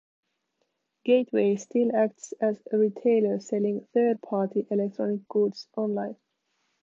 Gateway still acts as a retailer selling third-party electronic goods online.